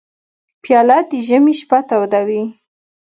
پیاله د ژمي شپه تودوي.